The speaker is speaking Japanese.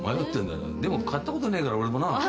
でも買ったことねえから俺もな。